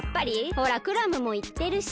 ほらクラムもいってるし。